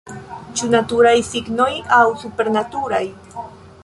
Ĉu naturaj signoj aŭ supernaturaj?